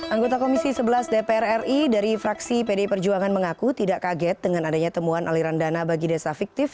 anggota komisi sebelas dpr ri dari fraksi pdi perjuangan mengaku tidak kaget dengan adanya temuan aliran dana bagi desa fiktif